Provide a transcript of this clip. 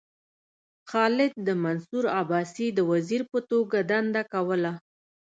خالد د منصور عباسي د وزیر په توګه دنده کوله.